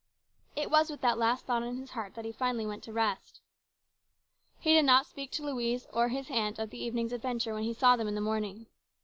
It was with that last thought on his heart that he finally went to rest. He did not speak to Louise or his aunt of the 198 HIS BROTHER'S KEEPER. evening's adventure when he saw them in the morning.